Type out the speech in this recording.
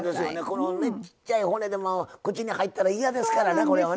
このねちっちゃい骨でも口に入ったら嫌ですからね。